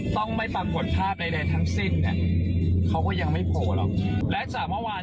ต้องไม่บังบวนภาพใดทั้งสิ้นเขาก็ยังไม่โพล่หรอก